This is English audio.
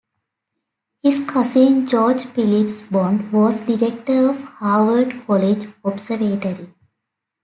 His cousin George Phillips Bond was director of Harvard College Observatory.